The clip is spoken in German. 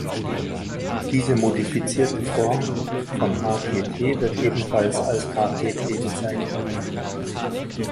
Diese modifizierte Form von Htt wird ebenfalls als Htt bezeichnet.